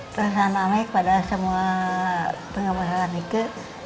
perasaan mami kepada semua penggemar penggemar nika